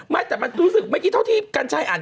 ไหมแต่มันรู้สึกไม่คิดเท่าที่การใจอ่าน